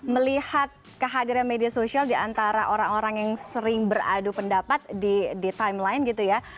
melihat kehadiran media sosial diantara orang orang yang sering beradu pendapat di timeline gitu ya